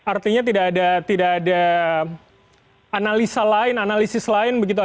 artinya tidak ada tidak ada analisa lain analisis lain begitu ya